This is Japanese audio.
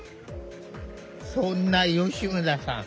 そんな吉村さん